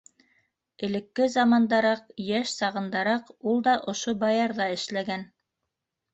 Элекке замандараҡ, йәш сағындараҡ, ул да ошо баярҙа эшләгән.